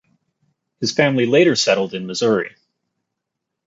His family later settled in Missouri.